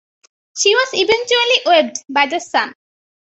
She was eventually waived by the Sun.